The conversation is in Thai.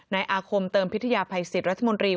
อาคมเติมพิทยาภัยสิทธิรัฐมนตรี